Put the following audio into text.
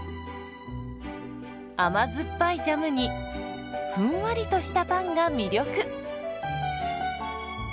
甘酸っぱいジャムにふんわりとしたパンが魅力。